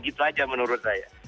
gitu aja menurut saya